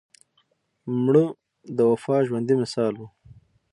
مړه د وفا ژوندي مثال وه